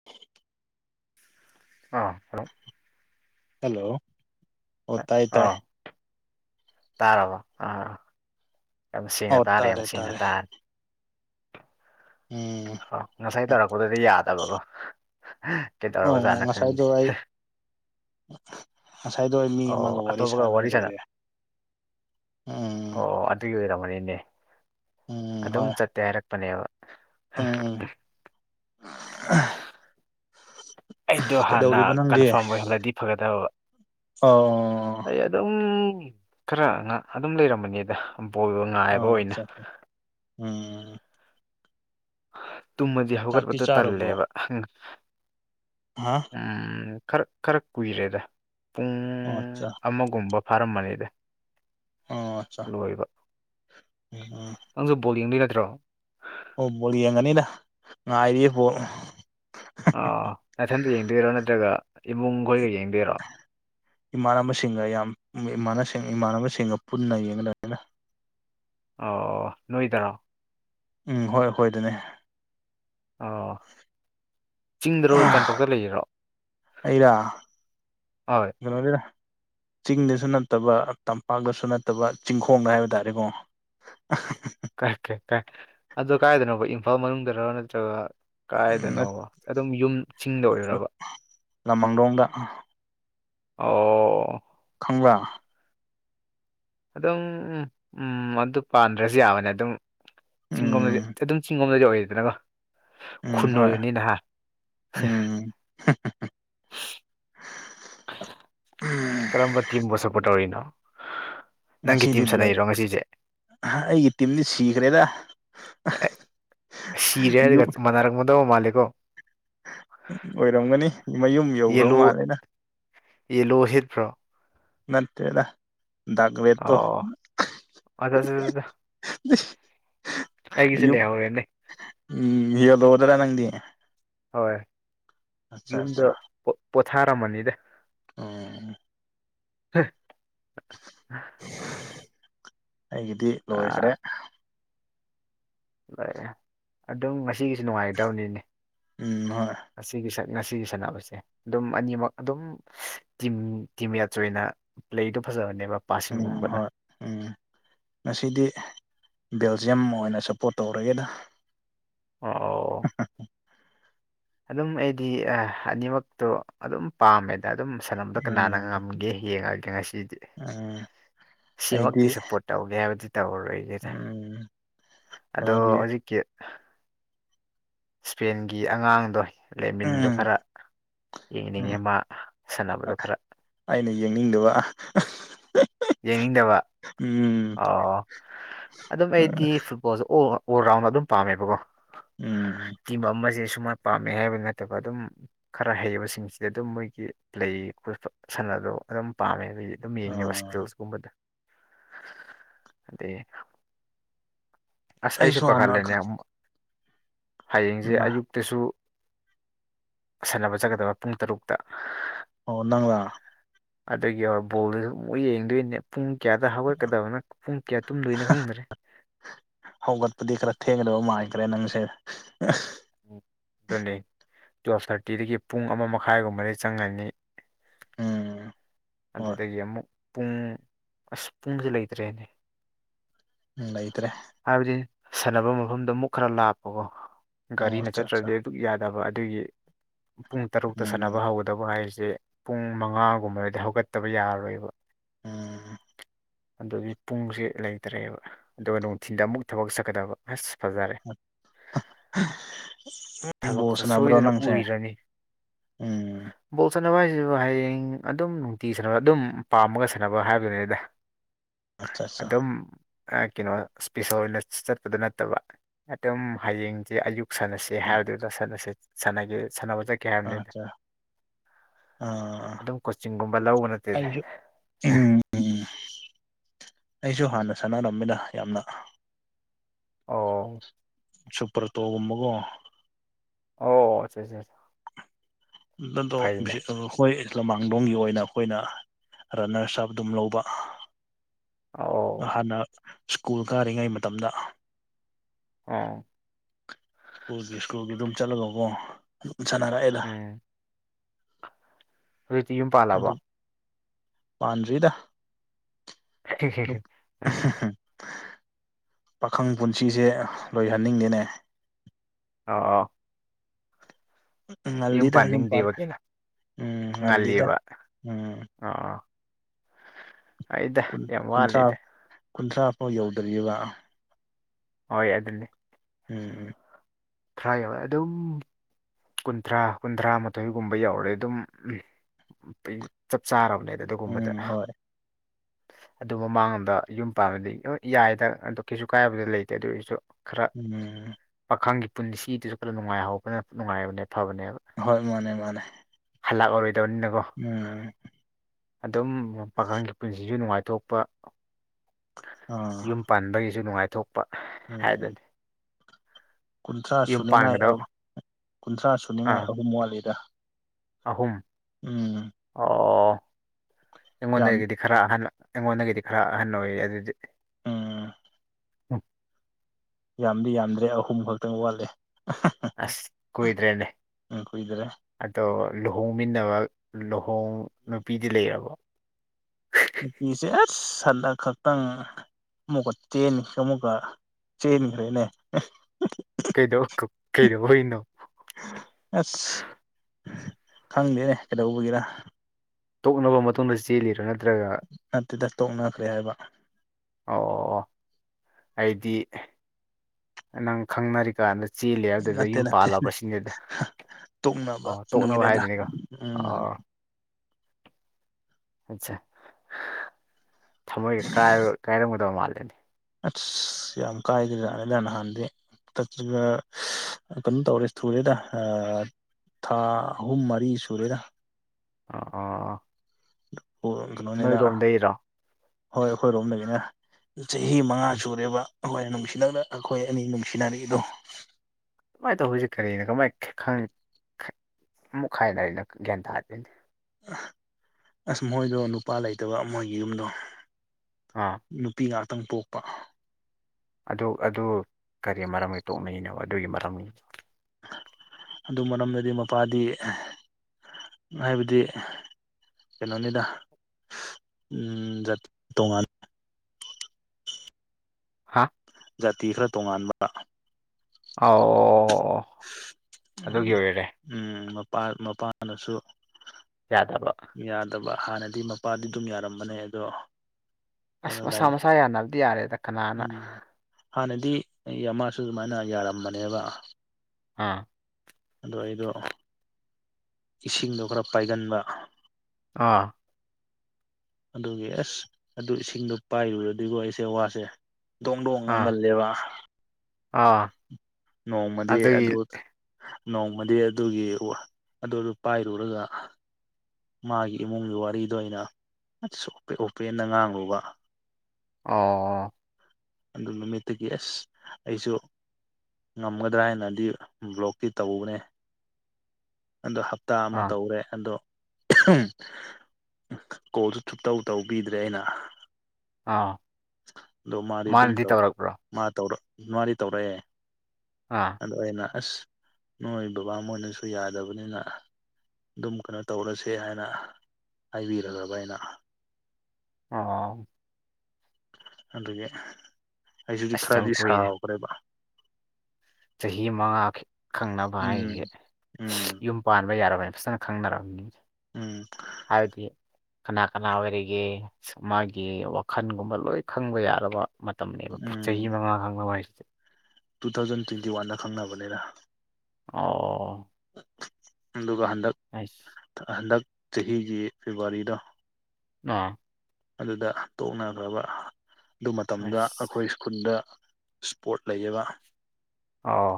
[inaudible] ꯑꯥ hello. Hello ꯑꯣ ꯇꯥꯏꯌꯦ ꯑꯥ ꯇꯥꯏꯌꯦ꯫ ꯇꯥꯔꯕ ꯑꯥꯑꯥ ꯌꯥꯝ ꯁꯦꯡꯅꯥ ꯑꯣ [unintelligible] ꯌꯥꯝ ꯇꯥꯔꯦ ꯁꯦꯡꯅꯥ ꯇꯥꯔꯦ ꯇꯥ ꯎꯝ ꯑꯣ ꯉꯁꯥꯏ ꯇꯧꯔꯛꯄꯗꯨꯗꯤ ꯌꯥꯗꯕꯀꯣ [inaudible] ꯑꯣ ꯀꯩꯇꯧꯔꯕꯖꯥꯠꯅꯣ ꯈꯪꯗꯦ ꯉꯁꯥꯏꯗꯣ ꯑꯩ ꯉꯁꯥꯏꯗꯣ ꯑꯩ ꯃꯤ ꯑꯣ ꯑꯃꯒ ꯋꯥꯔꯤ ꯁꯥꯟꯅꯔꯒ ꯂꯩꯔꯦ꯫ ꯎꯝ ꯑꯣ ꯑꯣ ꯑꯗꯨꯏ ꯑꯣꯏꯔꯝꯒꯅꯤꯅꯦ ꯎꯝ ꯑꯗꯨꯝ ꯍꯣꯏ ꯆꯠꯇꯦ ꯍꯥꯏꯔꯛꯄꯅꯦꯕ꯫ ꯎꯝ [inaudible] ꯑꯩꯗꯣ ꯍꯥꯟꯅ ꯀꯩꯗꯧꯔꯤꯕ ꯅꯪꯗꯤ ꯀꯟꯐꯥꯔꯝ ꯑꯣꯏꯍꯟꯂꯗꯤ ꯐꯒꯗꯕ꯫ ꯑꯣ ꯑꯩ ꯑꯗꯨꯝ ꯈꯔ ꯉ ꯑꯗꯨꯝ ꯂꯩꯔꯝꯕꯅꯤꯗ [unintelligible] ꯑꯥ ꯑꯣꯏꯅ ꯆꯞꯄꯦ ꯎꯝ ꯇꯨꯝꯃꯗꯤ ꯆꯥꯛꯇꯤ ꯍꯧꯒꯠꯄꯗꯣ ꯆꯥꯔꯕ꯭ꯔꯣ ꯇꯜꯂꯦꯕ [inaudible] ꯍꯥ ꯎꯝ ꯈꯔ ꯈꯔ ꯀꯨꯏꯔꯦꯗ ꯄꯨꯡ ꯑꯣ ꯑꯠꯆꯥ ꯑꯃꯒꯨꯝꯕ꯫ ꯐꯥꯔꯝꯃꯅꯤꯗ ꯑꯣ ꯑꯠꯆꯥ ꯂꯣꯏꯕ꯫ ꯎꯝ ꯎꯝ ꯅꯪꯁꯨ ꯕꯣꯜ ꯌꯦꯡꯗꯣꯏ ꯅꯠꯇ꯭ꯔꯣ꯫ ꯑꯣ ꯕꯣꯜ ꯌꯦꯡꯉꯅꯤꯗ ꯉꯥꯏꯔꯤꯌꯦ ꯕꯣꯜ ꯑꯥ ꯅꯊꯟꯇꯥ ꯌꯦꯡꯗꯣꯏꯔꯣ ꯅꯠꯇ꯭ꯔꯒ ꯏꯃꯨꯡ ꯈꯣꯏꯒ ꯌꯦꯡꯗꯣꯏꯔꯣ꯫ ꯏꯃꯥꯟꯅꯕꯁꯤꯡꯒ ꯌꯥꯝ ꯏꯃꯥꯟꯅꯕꯁꯤꯡ ꯏꯃꯥꯟꯅꯕꯁꯤꯡꯒ ꯄꯨꯟꯅ ꯌꯦꯡꯒꯗꯅꯤꯗ꯫ ꯑꯣ ꯅꯣꯏꯗ꯫ ꯎꯝ ꯍꯣꯏ ꯑꯈꯣꯏꯗꯅꯦ꯫ ꯑꯣ ꯆꯤꯡꯗꯔꯣ ꯇꯝꯄꯛꯇ ꯂꯩꯔꯤꯔꯣ꯫ ꯑꯩꯔ ꯍꯣꯏ [unintelligible] ꯆꯤꯡꯗꯁꯨ ꯅꯠꯇꯕ ꯇꯝꯄꯥꯛꯇꯁꯨ ꯅꯠꯇꯕ ꯆꯤꯡꯈꯣꯡꯗ ꯍꯥꯏꯕ ꯇꯥꯔꯦꯀꯣ꯫ ꯀꯥꯏꯀꯦ ꯀꯥꯏ ꯑꯗꯣ ꯀꯥꯏꯗꯅꯣꯕ ꯏꯝꯐꯥꯜ ꯃꯅꯨꯡꯗꯔ ꯅꯠꯇ꯭ꯔꯒ ꯀꯥꯏꯗꯅꯣꯕ ꯑꯗꯨꯝ ꯌꯨꯝ ꯆꯤꯡꯗ ꯑꯣꯏꯔꯤꯔꯕ ꯂꯃꯥꯡꯂꯣꯡꯗ ꯑꯣ ꯈꯪꯕ꯭ꯔꯥ ꯑꯗꯨꯝ ꯎꯝ ꯎꯝ ꯑꯗꯨ ꯄꯥꯟꯗ꯭ꯔꯁꯨ ꯌꯥꯕꯅꯦ ꯑꯗꯨꯝ ꯆꯤꯡꯒꯣꯡꯗꯥꯗꯤ ꯎꯝ ꯑꯗꯨꯝ ꯆꯤꯡ ꯎꯝ ꯍꯣꯏ [unintelligible] [unintelligible] ꯍꯨꯝꯁ ꯀꯔꯝꯕ ꯇꯤꯝꯕꯨ ꯁꯞꯄꯣꯔꯠ ꯇꯧꯔꯤꯅꯣ ꯅꯪꯒꯤ ꯉꯁꯤꯗꯤ ꯇꯤꯝ ꯕꯦꯜ ꯁꯥꯟꯅꯩꯔꯣ ꯉꯁꯤꯁꯦ ꯑꯥꯍ ꯑꯩꯒꯤ ꯇꯤꯝꯗꯤ ꯁꯤꯒ꯭ꯔꯦꯗ ꯁꯤꯒ꯭ꯔꯦ ꯍꯥꯏꯔꯒ ꯌꯨꯝ ꯃꯥꯟꯅꯥꯔꯝꯒꯗꯧꯕ ꯃꯥꯜꯂꯦꯀꯣ ꯑꯣꯏꯔꯝꯒꯅꯤ ꯃꯌꯨꯝ ꯌꯧꯒ꯭ꯔꯕ ꯌꯦꯜꯂꯣ ꯃꯥꯜꯂꯦꯗ ꯌꯦꯜꯂꯣ ꯍꯤꯠꯄ꯭ꯔꯣ ꯑꯣ ꯑꯠꯆꯥ ꯑꯠꯆꯥ ꯑꯠꯆꯥ [unintelligible] ꯑꯩꯒꯤꯁꯨ ꯃꯌꯨꯝ ꯂꯩꯍꯧꯔꯦꯅꯦ [unintelligible] ꯍꯣꯏ ꯑꯠꯆꯥ ꯌꯨꯝꯗ ꯑꯠꯆꯥ ꯄꯣ ꯄꯣꯊꯥꯔꯝꯃꯅꯤꯗ ꯎꯝ ꯑꯩꯒꯤꯗꯤ ꯑꯥ ꯂꯣꯏꯈ꯭ꯔꯦ ꯍꯣꯢꯑꯦ ꯑꯗꯨꯝ ꯉꯁꯤꯒꯤꯁꯨ ꯅꯨꯡꯉꯥꯏꯒꯗꯧꯕꯅꯤꯅꯦ ꯎꯝ ꯍꯣꯏ ꯑꯁꯤꯒꯤ ꯁ ꯉꯁꯤꯒꯤ ꯁꯥꯟꯅꯕꯁꯦ ꯑꯗꯨꯝ ꯑꯅꯤꯃꯛ ꯑꯗꯨꯝ ꯇꯤꯝ ꯇꯤꯝ ꯌꯥꯆꯣꯏ ꯑꯣꯏꯅ ꯄ꯭ꯂꯦꯗꯨ ꯐꯖꯕꯅꯦꯕ ꯎꯝ ꯄꯥꯁꯤꯟꯒꯨꯝꯕꯗ ꯍꯣꯏ ꯎꯝ ꯉꯁꯤꯗꯤ ꯕꯦꯜꯖꯤꯌꯝ ꯑꯣꯏꯅ ꯁꯞꯄꯣꯔꯠ ꯇꯧꯔꯒꯦꯗ ꯑꯣ ꯑꯍꯥ ꯑꯗꯨꯝ ꯑꯩꯗꯤ ꯑꯅꯤꯃꯛꯇꯣ ꯑꯗꯨꯝ ꯄꯥꯝꯃꯦ ꯗ ꯑꯗꯨꯝ ꯁꯅꯃꯇ ꯀꯅꯥꯅ ꯎꯝ ꯉꯝꯒꯦ ꯌꯦꯡꯉꯒꯦ ꯉꯁꯤꯗꯤ ꯎꯝ ꯑꯩꯗꯤ ꯁꯤꯃꯛꯇꯤ ꯁꯞꯄꯣꯔꯠ ꯇꯧꯒꯦ ꯍꯥꯏꯕꯗꯤ ꯇꯧꯔꯔꯣꯏ ꯎꯝ ꯑꯗꯣ ꯀꯩꯅꯣꯒꯤ ꯍꯧꯖꯤꯛꯀꯤ ꯏꯁꯄꯦꯟꯒꯤ ꯑꯉꯥꯡꯗꯣ ꯂꯦꯃꯤꯟꯗꯣ ꯎꯝ ꯈꯔ ꯎꯝ ꯌꯦꯡꯅꯤꯡꯉꯦ ꯃꯥ ꯁꯥꯟꯅꯕꯗꯣ ꯈꯔ [unintelligible] ꯌꯦꯡꯅꯤꯡꯗꯕ ꯎꯝ ꯑꯣ ꯑꯗꯨꯝ ꯎꯝ ꯑꯩꯗꯤ ꯑꯣꯖꯑꯣ ꯑꯣꯜ ꯔꯥꯎꯟꯗ ꯑꯗꯨꯝ ꯄꯥꯝꯃꯦꯕꯀꯣ ꯎꯝ ꯇꯤꯝ ꯑꯃꯖꯦ ꯁꯨꯃꯥꯏꯅ ꯄꯥꯝꯃꯦ ꯍꯥꯏꯕ ꯅꯠꯇꯕ ꯑꯗꯨꯝ ꯈꯔ ꯍꯩꯕꯁꯤꯡꯁꯤꯗꯤ ꯑꯗꯨꯝ ꯃꯣꯏꯒꯤ ꯂꯩꯕ ꯁꯥꯟꯗꯣ ꯑꯗꯨꯝ ꯄꯥꯝꯃꯦꯕ ꯑꯩꯗꯤ ꯑꯗꯨꯝ ꯌꯦꯡꯉꯦꯕ ꯑꯥ ꯏꯁꯀꯤꯜꯁꯀꯨꯝꯕꯗꯣ ꯑꯗꯩ ꯑꯁ ꯑꯩꯁꯦ ꯑꯩꯁꯨ ꯍꯥꯟꯅ ꯄꯥꯈꯠꯂꯦꯅꯦ ꯑꯃꯨꯛ ꯍꯌꯦꯡꯁꯦ ꯑꯌꯨꯛ ꯇꯁꯨ ꯁꯥꯟꯅꯕ ꯆꯠꯒꯗꯕ ꯄꯨꯡ ꯇꯔꯨꯛꯇ ꯑꯣ ꯅꯪꯂ [unintelligible] ꯍꯧꯒꯠꯄꯗꯤ ꯈꯔ ꯊꯦꯡꯒꯗꯕ ꯃꯥꯟꯈ꯭ꯔꯦ ꯅꯪꯁꯦ ꯑꯍꯦ ꯑꯗꯨꯅꯤ ꯇꯨꯌꯦꯜꯐ ꯊꯥꯔꯇꯤꯗꯒꯤ ꯄꯨꯡ ꯑꯃ ꯃꯈꯥꯏꯒꯨꯝꯕꯗꯩ ꯆꯪꯉꯅꯤ ꯎꯝ ꯍꯣꯏ ꯑꯗꯨꯗꯒꯤ ꯑꯃꯨꯛ ꯄꯨꯡ ꯑꯁ ꯄꯨꯡꯖꯦ ꯂꯩꯇ꯭ꯔꯦꯅꯦ ꯎꯝ ꯂꯩꯇ꯭ꯔꯦ꯫ ꯍꯥꯏꯕꯗꯤ ꯁꯥꯟꯅꯕ ꯃꯐꯝꯗꯣ ꯑꯃꯨꯛ ꯈꯔ ꯂꯥꯞꯄꯀꯣ꯫ ꯑꯣ ꯒꯥꯔꯤꯅ ꯑꯠꯆꯥ ꯑꯠꯆꯥ ꯆꯠꯇ꯭ꯔꯗꯤ ꯑꯗꯨꯛ ꯌꯥꯗꯕ ꯑꯗꯨꯒꯤ ꯄꯨꯡ ꯇꯔꯨꯛꯇ ꯁꯥꯟꯅꯕ ꯎꯝ ꯍꯧꯋ ꯇꯕ ꯍꯥꯏꯕꯁꯦ ꯄꯨꯡ ꯃꯉꯥꯒꯨꯝꯕꯗꯗꯤ ꯍꯧꯒꯠꯇꯕ ꯌꯥꯔꯔꯣꯏꯕ꯫ ꯎꯝ꯫ ꯑꯗꯨꯗꯤ ꯄꯨꯡꯁꯦ ꯂꯩꯇ꯭ꯔꯦꯕ ꯑꯗꯨꯒ ꯅꯨꯡꯊꯤꯟꯗ ꯑꯃꯨꯛ ꯊꯕꯛ ꯆꯠꯀꯗꯕ꯫ ꯍꯁ ꯐꯖꯔꯦ꯫ [unintelligible] ꯕꯣꯜ ꯊꯕꯛꯇ ꯁꯅꯕ꯭ꯔꯣ ꯁꯣꯏꯗꯅ ꯅꯪꯁꯦ꯫ ꯎꯏꯔꯅꯤ ꯎꯝ ꯕꯣꯜ ꯁꯅꯕ ꯍꯥꯏꯁꯤꯁꯨ ꯍꯌꯦꯡ ꯑꯗꯨꯝ ꯇꯤ ꯁꯥꯟꯅꯕꯗꯣ ꯑꯗꯨꯝ ꯄꯥꯝꯃꯒ ꯁꯥꯟꯅꯕ ꯍꯥꯏꯕꯗꯨꯅꯤꯗ ꯑꯠꯆꯥ ꯑꯠꯆꯥ ꯑꯗꯨꯝ ꯑ ꯀꯩꯅꯣ ꯏꯁ꯭ꯄꯤꯁꯦꯜ ꯑꯣꯏꯅ ꯆꯠꯄꯗꯣ ꯅꯠꯇꯕ ꯑꯗꯨꯝ ꯍꯌꯦꯡꯁꯦ ꯑꯌꯨꯛ ꯁꯥꯟꯅꯁꯦ ꯍꯥꯏꯕꯗꯨꯗꯥ ꯁꯥꯟꯅꯁꯦ ꯁꯥꯥꯟꯅꯒꯦ ꯁꯥꯟꯅꯕ ꯆꯠ ꯀꯦ ꯍꯥꯏꯕꯅꯤꯗ ꯑꯠꯆꯥ ꯑꯥ ꯑꯗꯨꯝ ꯀꯣꯆꯤꯡꯒꯨꯝꯕ ꯂꯧꯕ ꯅꯠꯇꯦꯗ꯫ ꯑꯩꯁꯨ ꯎꯝ ꯑꯩꯁꯨ ꯍꯥꯟꯅ ꯁꯥꯟꯅꯔꯃꯤꯗ ꯌꯥꯝꯅ꯫ ꯑꯣ꯫ ꯁꯨꯄ꯭ꯔꯇꯣꯒꯨꯝꯕꯀꯣ꯫ ꯑꯣ ꯑꯆꯥ ꯆꯥ ꯆ꯫ [unintelligible] ꯑꯈꯣꯏ ꯂꯃꯥꯡꯗꯣꯡꯝꯒꯤ ꯑꯣꯏꯅ ꯑꯩꯈꯣꯏꯅ ꯔꯟꯅꯔꯁ ꯑꯕ ꯑꯗꯨꯝ ꯂꯧꯕ꯫ ꯑꯣ ꯅꯍꯥꯟꯅ ꯁ꯭ꯀꯨꯜ ꯀꯥꯔꯤꯉꯩ ꯃꯇꯝꯗ꯫ ꯑꯣ꯫ ꯁ꯭ꯀꯨꯜꯒꯤ ꯁ꯭ꯀꯨꯜꯒꯤ ꯑꯗꯨꯝ ꯆꯠꯂꯒꯀꯣ ꯑꯗꯨꯝ ꯁꯥꯟꯅꯔꯛꯑꯦꯗ꯫ ꯎꯝ ꯍꯧꯖꯤꯛꯇꯤ ꯌꯨꯝ ꯑꯗꯨ ꯄꯥꯜꯂꯕꯣ꯫ ꯄꯥꯟꯗ꯭ꯔꯤꯗ ꯅꯨꯞ [unintelligible] ꯄꯥꯈꯪ ꯄꯨꯟꯁꯤꯁꯦ ꯂꯣꯏꯍꯟꯅꯤꯡꯗꯦꯅꯦ꯫ ꯑꯥꯎ ꯑꯥꯎ꯫ ꯌꯨꯝ ꯉꯜꯂꯤꯗ ꯄꯥꯟ ꯄꯥꯟꯅꯤꯡꯗꯦꯕ ꯀꯦꯟꯅ ꯎꯝ ꯉꯜꯂꯤꯗ ꯉꯜꯂꯤꯕ꯫ ꯎꯝ ꯑꯥ ꯍꫭꯏꯗ ꯀꯨꯟ ꯌꯥꯝ ꯀꯨꯟꯊ꯭ꯔꯥ ꯋꯥꯠꯂꯤꯗ꯫ ꯀꯨꯟꯊ꯭ꯔꯥ ꯐꯥꯎ ꯌꯧꯗ꯭ꯔꯤꯕ꯫ ꯍꯣꯏ ꯑꯗꯨꯅꯦ꯫ ꯎꯝ꯫ ꯈꯥꯏꯌꯦꯕ ꯑꯗꯨꯝ ꯀꯨꯟꯊ꯭ꯔꯥ ꯀꯨꯟꯊ꯭ꯔꯥ ꯃꯥꯊꯣꯏꯒꯨꯝꯕ ꯌꯧꯔꯦ ꯑꯗꯨꯝ ꯎꯝ ꯄꯤ ꯆꯞ ꯆꯥꯔꯕꯅꯦ꯫ ꯑꯗꯨꯒꯨꯝꯕꯗ꯫ ꯎꯝ ꯍꯣꯏ ꯑꯗꯨ ꯃꯃꯥꯡꯗ ꯌꯨꯝ ꯄꯥꯟꯕꯗꯤ ꯌꯥꯏꯗ ꯑꯗꯣ ꯀꯩꯁꯨ ꯀꯥꯏꯕꯗꯤ ꯂꯩꯇꯦ ꯑꯗꯨ ꯑꫭꯏꯔꯁꯨ꯫ [unintelligible] ꯄꯥꯈꯪꯒꯤ ꯄꯨꯟꯁꯤꯗꯨꯁꯨ ꯈꯔ ꯅꯨꯡꯉꯥꯏꯍꯧꯕꯅ ꯅꯨꯡꯉꯥꯏꯕꯅꯦ ꯐꯕꯅꯦꯕ꯫ ꯍꯣꯏ ꯃꯥꯅꯦ-ꯃꯥꯅꯦ꯫ ꯍꯜꯂꯛꯂꯔꯣꯏꯗꯕꯅꯤꯅꯀꯣ꯫ ꯎꯝ꯫ ꯑꯗꯨꯝ ꯄꯥꯈꯪꯒꯤ ꯄꯨꯟꯁꯤꯁꯨ ꯅꯨꯡꯉꯥꯏꯊꯣꯛꯄ꯫ ꯑꯥ꯫ ꯌꯨꯝ ꯄꯥꯟꯕꯒꯤꯁꯨ ꯅꯨꯡꯉꯥꯏꯊꯣꯛꯄ ꯎꯝ ꯍꯥꯏꯗꯨꯅꯤ꯫ ꯀꯨꯟꯊ꯭ꯔꯥ ꯌꯨꯝ ꯁꯨꯅꯤꯡꯉꯥꯏ ꯑ ꯄꯥꯟꯒꯗꯕ ꯀꯨꯟꯊ꯭ꯔꯥ ꯁꯨꯅꯤꯡꯉꯥꯏ ꯑꯥ ꯑꯍꯨꯝ ꯋꯥꯠꯂꯤꯗ꯫ ꯑꯍꯨꯝ꯫ ꯎꯝ ꯑꯣ ꯌꯥꯝ ꯑꯩꯉꯣꯟꯗꯒꯤꯗꯤ ꯈꯔ ꯑꯍꯟ ꯑꯩꯉꯣꯟꯗꯒꯤꯗꯤ ꯈꯔ ꯑꯍꯟ ꯑꯣꯏꯌꯦ ꯑꯗꯨꯗꯤ ꯎꯝ ꯌꯥꯝꯗꯤ ꯌꯥꯝꯗ꯭ꯔꯦ ꯑꯍꯨꯝ ꯈꯛꯇꯪ ꯋꯥꯠꯂꯦ ꯑꯁ ꯀꯨꯏꯗ꯭ꯔꯦꯅꯦ ꯎꯝ ꯀꯨꯏꯗ꯭ꯔꯦ ꯑꯗꯣ ꯂꯨꯍꯣꯡꯃꯤꯟꯅꯕ ꯂꯨꯍꯣꯡ ꯅꯨꯄꯤꯗꯤ ꯂꯩꯔꯕꯣ ꯅꯨꯄꯤꯁꯦ ꯑꯁ ꯍꯟꯗꯛ ꯈꯛꯇꯪ ꯑꯃꯨꯛꯀ ꯆꯦꯟꯈ꯭ꯔꯦ ꯑꯃꯨꯛꯀ ꯆꯦꯟꯈ꯭ꯔꯦꯅꯦ ꯀꯩꯗꯧ ꯈꯥ ꯀꯩꯗꯧꯕꯩꯅꯣ ꯑꯁ ꯈꯪꯗꯦꯅꯦ ꯀꯩꯗꯧꯕꯒꯤꯔ ꯇꯣꯛꯅꯕ ꯃꯇꯨꯡꯗ ꯆꯦꯜꯂꯤꯔꯥ ꯅꯠꯇ꯭ꯔꯒ ꯅꯠꯇꯦꯗ ꯇꯣꯛꯅꯈ꯭ꯔꯦ ꯍꯥꯏꯕ ꯑꯣ ꯑꯣ ꯑꯣ ꯑꯩꯗꯤ ꯅꯪ ꯈꯪꯅꯔꯤꯀꯥꯟꯗ ꯆꯦꯜꯂꯤ ꯍꯥꯏꯕꯗꯨꯗꯥ ꯅꯠꯇꯦ ꯌꯨꯝ ꯅꯠꯇꯦ ꯄꯥꯜꯂꯕ ꯁꯤꯅꯤꯗ ꯑ ꯇꯣꯛꯅꯕ ꯇꯣꯛꯅꯕ ꯑꯗꯨꯒꯤꯅꯦꯗ ꯍꯥꯏꯗꯨꯅꯤꯀꯣ ꯑ ꯎꯝ ꯑꯠꯆꯥ ꯊꯝꯃꯣꯏꯒ ꯀꯥꯏꯕ ꯀꯥꯏꯔꯝꯒꯗꯕ ꯃꯥꯜꯂꯦꯅꯦ ꯑꯁ ꯌꯥꯝ ꯀꯥꯏꯗꯦꯗ ꯑꯗ ꯅꯍꯥꯟꯗꯤ ꯍꯟꯗꯛ ꯒ ꯀꯩꯅꯣ ꯇꯧꯔꯦ ꯊꯨꯔꯦꯗ ꯑ ꯊꯥ ꯑꯍꯨꯝ ꯃꯔꯤ ꯁꯨꯔꯦꯗ ꯑꯣ ꯑꯣ ꯑꯣ ꯑꯣ ꯀꯩꯅꯣꯅꯦꯗ ꯍꯣꯏ ꯑꯩꯈꯣꯏ ꯔꯣꯝꯗꯒꯤꯅꯦ ꯆꯍꯤ ꯃꯉꯥ ꯁꯨꯔꯦꯕ ꯑꯩꯈꯣꯏꯅ ꯅꯨꯡꯁꯤꯅꯅ ꯑꯩꯈꯣꯏ ꯑꯅꯤ ꯅꯨꯡꯁꯤꯅꯔꯛꯏꯗꯣ ꯀꯃꯥꯏꯅ ꯇꯧꯕꯥꯖꯤ ꯀꯔꯤꯅꯣ ꯀꯃꯥꯏꯟ ꯈꯥ ꯈꯪ ꯈꯦ ꯑꯃꯨꯛ ꯈꯥꯏꯅꯥꯔꯤꯅꯣ ꯒ꯭ꯌꯥꯟ ꯇꯥꯗ꯭ꯔꯦ ꯑꯩꯗꯤ ꯑꯁ ꯃꯣꯏꯗꯣ ꯅꯨꯄꯥ ꯂꯩꯇꯕ ꯃꯣꯏꯒꯤ ꯌꯨꯝꯗꯣ ꯑꯥ ꯅꯨꯄꯤ ꯉꯥꯛꯇꯪ ꯄꯣꯛꯄ ꯑꯗꯨ ꯑꯗꯨ ꯀꯔꯤ ꯃꯔꯝꯒꯤ ꯇꯣꯛꯅꯩꯅꯣꯕꯥ ꯑꯗꯨꯒꯤ ꯃꯔꯝ ꯑꯗꯨ ꯃꯔꯝꯗꯗꯤ ꯃꯄꯥꯗꯤ ꯍꯥꯏꯕꯗꯤ ꯀꯩꯅꯣꯅꯤꯗ ꯎꯝ ꯖꯠ ꯇꯣꯉꯥꯟ ꯍꯥꯥ ꯖꯥꯇꯤ ꯈꯔ ꯇꯣꯉꯥꯟꯕ ꯑꯥꯑꯧ ꯎꯝ ꯃꯄꯥ ꯃꯄꯥꯅꯁꯨ ꯌꯥꯗꯕ ꯌꯥꯗꯕ ꯍꯥꯟꯅꯗꯤ ꯃꯄꯥꯗꯤ ꯑꯗꯨꯝ ꯌꯥꯔꯝꯕꯅꯦ ꯑꯗꯣ ꯑꯁ ꯀꯩꯅꯣ ꯂꯥꯏ ꯃꯁꯥ ꯃꯁꯥ ꯌꯥꯅꯕꯗꯤ ꯌꯥꯔꯦꯗ ꯀꯅꯥꯅ ꯎꯝ ꯍꯥꯟꯅꯗꯤ ꯃꯥꯁꯨ ꯑꯗꯨꯃꯥꯏꯅ ꯌꯥꯔꯝꯕꯅꯦꯕ ꯑꯥ ꯑꯗꯣ ꯑꯩꯗꯣ ꯏꯁꯤꯡꯗꯣ ꯈꯔ ꯄꯥꯏꯒꯟꯕ ꯑꯥ ꯑꯗꯨꯒꯤ ꯑꯁ ꯑꯗꯨ ꯏꯁꯤꯡꯗꯣ ꯄꯥꯏꯔꯨꯔꯗꯤꯀꯣ ꯑꯩꯁꯦ ꯋꯥꯁꯦ ꯗꯣꯡ ꯗꯣꯡ ꯑꯥ ꯉꯥꯡꯒꯜꯂꯦꯕ ꯑꯥ ꯅꯣꯡꯃꯗꯤ ꯑꯗꯨꯒꯤ ꯑꯗꯨ ꯅꯣꯡꯃꯗꯤ ꯑꯗꯨꯒꯤ ꯑꯗꯨꯗꯨ ꯄꯥꯏꯔꯨꯔꯒ ꯃꯥꯒꯤ ꯏꯃꯨꯡꯒꯤ ꯋꯥꯔꯤꯗꯣ ꯑꯩꯅ ꯁꯣꯛꯄꯦ ꯑꯣꯞꯄꯦꯟꯗ ꯉꯥꯡꯂꯨꯕ ꯑꯣ ꯑꯗꯨ ꯅꯨꯃꯤꯠꯇꯒꯤ ꯑꯁ ꯑꯩꯁꯨ ꯉꯝꯒꯗ꯭ꯔꯥ ꯍꯥꯏꯅꯗꯤ ꯕ꯭ꯂꯣꯛꯀꯤ ꯇꯧꯕꯅꯦ ꯑꯗꯣ ꯍꯞꯇꯥ ꯑꯥ ꯑꯃ ꯇꯧꯔꯦ ꯑꯗꯣ ꯎꯍꯝ ꯀꯣꯜꯁꯨ ꯁꯨꯛꯇꯧ ꯇꯧꯕꯤꯗ꯭ꯔꯦ ꯑꯩꯅ ꯑꯥ ꯑꯗꯣ ꯃꯥꯗꯤ ꯑꯗꯨꯝ ꯃꯥꯅꯗꯤ ꯇꯧ ꯇꯧꯔꯛꯄ꯭ꯔꯣ ꯃꯥ ꯇꯧꯔ ꯃꯥꯗꯤ ꯇꯧꯔꯛꯑꯦ ꯑꯥ ꯑꯗꯨ ꯑꯩꯅ ꯑꯁ ꯅꯣꯏ ꯕꯕꯥ ꯃꯣꯏꯅꯁꯨ ꯌꯥꯗꯕꯅꯤꯅ ꯑꯗꯨꯝ ꯀꯩꯅꯣ ꯇꯧꯔꯁꯦ ꯍꯥꯏꯅ ꯍꯥꯏꯕꯤꯔꯕ ꯑꯩꯅ ꯑꯣ ꯑꯗꯨꯒꯤ ꯑꯩꯁꯨꯗꯤ ꯑꯁ ꯌꯥꯝ ꯈꯔꯗꯤ ꯀꯨꯏꯅꯦ ꯁꯥꯎꯈ꯭ꯔꯦꯕ ꯆꯍꯤ ꯃꯉꯥ ꯈꯪꯅꯕ ꯎꯝ ꯍꯥꯏꯁꯦ ꯎꯝ ꯌꯨꯝ ꯄꯥꯟꯕ ꯌꯥꯔꯕꯅꯤ ꯐꯖꯅ ꯈꯪꯅꯔꯕꯅꯤ ꯎꯝ ꯍꯥꯏꯕꯗꯤ ꯀꯅꯥ ꯀꯅꯥ ꯑꯣꯏꯔꯤꯒꯦ ꯃꯥꯒꯤ ꯋꯥꯈꯜꯒꯨꯝꯕ ꯂꯣꯏ ꯈꯪꯕ ꯌꯥꯔꯕ ꯃꯇꯝꯅꯦꯕ ꯆꯍꯤ ꯎꯝ ꯃꯉꯥ ꯈꯪꯅꯕ ꯍꯥꯏꯁꯦ ꯇꯨ ꯊꯥꯎꯖꯟ ꯇ꯭ꯋꯦꯟꯇꯤ ꯋꯥꯟꯗ ꯈꯪꯅꯕꯅꯤꯗ ꯑꯣ ꯑꯗꯨꯒ ꯍꯟꯗꯛ ꯑꯩꯁ ꯍꯟꯗꯛ ꯆꯍꯤꯒꯤ ꯐꯦꯕꯨꯋꯥꯔꯤꯗꯣ ꯑꯥ ꯑꯗꯨꯗ ꯇꯣꯛꯅꯒ꯭ꯔꯕ ꯑꯗꯨ ꯃꯇꯝꯗ ꯑꯁ ꯑꯩꯈꯣꯏ ꯁ꯭ꯀꯨꯜꯗ ꯏꯁꯄꯣꯔꯠ ꯂꯩꯌꯦꯕ ꯑꯧ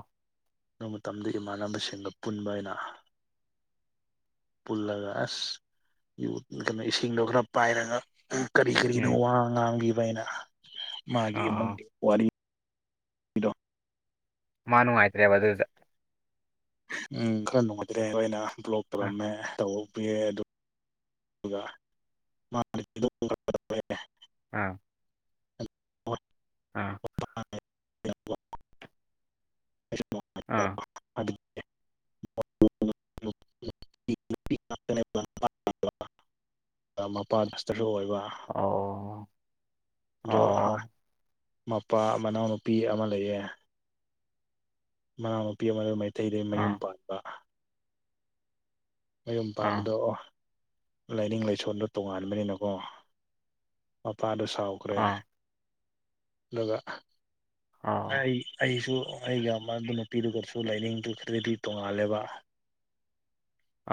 ꯑꯗꯨ ꯃꯇꯝꯗ ꯏꯃꯥꯟꯅꯕꯁꯤꯡꯒ ꯄꯨꯟꯕ ꯑꯩꯅ ꯄꯨꯜꯂꯒ ꯑꯁ ꯌꯨ ꯀꯩꯅꯣ ꯏꯁꯤꯡꯗꯣ ꯈꯔ ꯄꯥꯏꯔꯒ ꯀꯔꯤ ꯀꯔꯤꯅꯣ ꯎꯝ ꯋꯥ ꯉꯥꯡꯕꯤꯕ ꯑꯩꯅ ꯃꯥꯒꯤ ꯑꯣ ꯏꯃꯨꯡꯒꯤ ꯋꯥꯔꯤ ꯃꯥ ꯅꯨꯡꯉꯥꯏꯇ꯭ꯔꯦꯕ ꯑꯗꯨꯗ ꯎꯝ ꯈꯔ ꯅꯨꯡꯉꯥꯏꯇꯦ ꯑꯗꯣ ꯑꯩꯅ ꯕ꯭ꯂꯣꯛ ꯑꯥ ꯇꯧꯔꯝꯃꯦ ꯇꯧꯄꯤꯌꯦꯗꯨ [unintelligible] ꯑꯥ ꯑꯥ [unintelligible] ꯑꯥ [unintelligible] [unintelligible] ꯃꯄꯥ ꯄꯁꯇꯔ ꯑꯣꯏꯕ ꯑꯣ ꯑꯗꯨ ꯍꯣꯏ ꯑꯣ ꯃꯄꯥ ꯃꯅꯥꯎꯅꯨꯄꯤ ꯑꯃ ꯂꯩꯌꯦ ꯃꯅꯥꯎꯅꯨꯄꯤ ꯑꯃꯗꯣ ꯃꯩꯇꯩꯗ ꯃꯌꯨꯝ ꯑꯥ ꯄꯥꯟꯕ ꯃꯌꯨꯝ ꯑꯥ ꯄꯥꯟꯕꯗꯣꯑꯣ ꯂꯥꯏꯅꯤꯡ ꯂꯥꯏꯁꯣꯟꯜꯗꯣ ꯇꯣꯉꯥꯟꯕꯅꯤꯅꯀꯣ ꯃꯄꯥꯗꯣ ꯁꯥꯎꯈ꯭ꯔꯦ ꯑꯥ ꯑꯗꯨꯒ ꯑꯣ ꯑꯩ ꯑꯩꯁꯨ ꯑꯩꯒꯤ ꯃꯗꯨ ꯅꯨꯄꯤꯗꯨꯒꯁꯨ ꯂꯥꯏꯅꯤꯡꯗꯤ ꯈꯔꯗꯤ ꯇꯣꯡꯉꯥꯜꯂꯦꯕ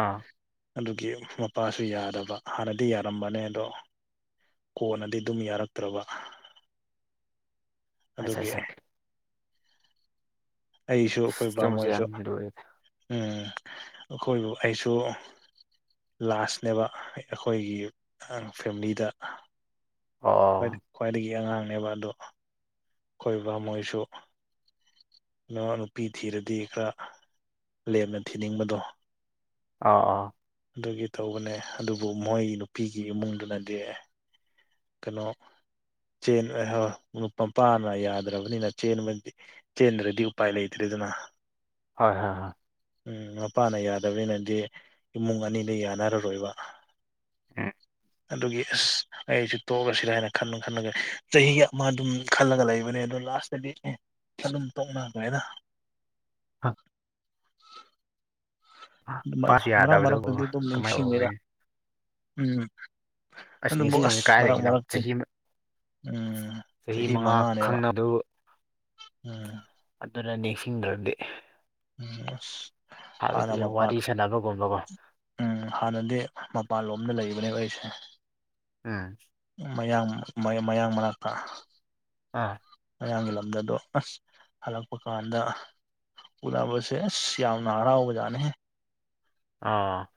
ꯑꯥ ꯑꯗꯨꯒꯤ ꯃꯄꯥꯁꯨ ꯌꯥꯗꯕ ꯍꯥꯟꯅꯗꯤ ꯌꯥꯔꯝꯕꯅꯦ ꯑꯗꯣ ꯀꯣꯟꯅꯗꯤ ꯑꯗꯨꯝ ꯌꯥꯔꯛꯇ꯭ꯔꯕ ꯑꯆꯥ ꯑꯗꯨꯒꯤ ꯆꯥ ꯑꯩꯁꯨ ꯑꯩꯈꯣꯏ ꯕꯥ ꯆꯨꯝꯕꯁꯨ ꯌꯥꯝ ꯃꯣꯏꯁꯨ ꯂꯨꯔꯦ ꯎꯝ ꯑꯩꯈꯣꯏꯕꯨ ꯑꯩꯁꯨ ꯂꯥꯁꯅꯦꯕ ꯑꯩꯈꯣꯏꯒꯤ ꯐꯦꯃꯤꯂꯤꯗ ꯑꯣ ꯈ꯭ꯋꯥꯏꯗꯒꯤ ꯑꯉꯥꯡꯅꯦꯕ ꯑꯗꯣ ꯑꯩꯈꯣꯏꯕ ꯃꯣꯏꯁꯨ ꯅ ꯅꯨꯄꯤ ꯊꯤꯔꯗꯤ ꯈꯔ ꯂꯦꯝꯅ ꯊꯤꯅꯤꯡꯕꯗꯣ ꯑꯥ ꯑꯣ ꯑꯗꯨꯒꯤ ꯇꯧꯕꯅꯦ ꯑꯗꯨꯕꯨ ꯃꯣꯏ ꯅꯨꯄꯤꯒꯤ ꯏꯃꯨꯡꯗꯨꯅꯗꯤ ꯀꯥꯅꯣ ꯆꯦꯟ ꯍꯣ ꯃꯄꯥꯅ ꯌꯥꯗ꯭ꯔꯕꯅꯤꯅ ꯆꯦꯟꯕꯗꯤ ꯆꯦꯟꯗ꯭ꯔꯗꯤ ꯎꯄꯥꯏ ꯂꯩꯇ꯭ꯔꯦꯗꯅ ꯍꯣꯏ ꯍꯣꯏ ꯍꯣꯏ ꯎꯝ ꯃꯄꯥꯅ ꯌꯥꯗꯕꯅꯤꯅꯗꯤ ꯏꯃꯨꯡ ꯑꯅꯤꯗꯤ ꯌꯥꯅꯔꯔꯣꯏꯕ [unintelligible] ꯑꯗꯨꯒꯤ ꯑꯁ ꯑꯩꯁꯨ ꯇꯣꯛꯑꯁꯤꯔꯅ ꯈꯟꯅ ꯈꯟꯅꯒ ꯆꯍꯤ ꯑꯃ ꯑꯗꯨꯝ ꯈꯜꯂꯒ ꯂꯩꯕꯅꯦ ꯑꯗꯨ ꯂꯥꯁꯇꯗꯤ ꯑꯦ ꯑꯗꯨꯨꯝ ꯇꯣꯛꯅꯈ꯭ꯔꯦꯗ ꯎꯝ ꯃꯥꯁꯨ ꯃꯔꯛ ꯌꯥꯗꯕꯗꯨꯕꯨ ꯃꯔꯛꯇꯗꯤ ꯑꯗꯨꯝ ꯀꯃꯥꯏꯅ ꯅꯤꯡꯁꯤꯡꯉꯤꯗ ꯑꯣꯏ ꯎꯝ ꯑꯗꯨꯕꯨ ꯑꯁ ꯅꯤꯡꯁꯤꯡꯉꯝꯅꯤ ꯃꯔꯛ ꯀꯥꯏꯗꯒꯤꯅꯣ ꯃꯔꯛꯇ ꯆꯍꯤ ꯃ- ꯎꯝ ꯆꯍꯤ ꯃꯉꯥ ꯃꯉꯥꯅꯦꯕ ꯈꯪꯅꯕꯗꯨ ꯎꯝ ꯑꯗꯨꯅ ꯅꯤꯡꯁꯤꯡꯗ꯭ꯔꯗꯤ ꯑꯝ ꯑꯁ [unintelligible] ꯍꯥꯟꯅ ꯍꯥꯏꯕꯗꯤ ꯃꯄꯥꯟ ꯋꯥꯔꯤ ꯁꯥꯟꯅꯕꯒꯨꯝꯕꯀꯣ ꯎꯝ ꯍꯥꯟꯅꯗꯤ ꯃꯄꯥꯟ ꯂꯣꯝꯗ ꯂꯩꯕꯅꯦꯕ ꯑꯩꯁꯦ ꯎꯝ ꯃꯌꯥꯡ ꯃꯌꯥꯡ ꯃꯅꯥꯛꯇ ꯑꯥ ꯃꯌꯥꯡꯒꯤ ꯂꯝꯗ ꯑꯗꯣ ꯑꯁ ꯍꯜꯂꯛꯄ ꯀꯥꯟꯗ ꯎꯅꯕꯁꯦ ꯑꯁ ꯌꯥꯝꯅ ꯍꯔꯥꯎꯕꯖꯥꯠꯅꯦꯍꯦ ꯑꯥ